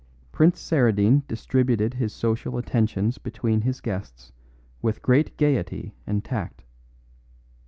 Prince Saradine distributed his social attentions between his guests with great gaiety and tact.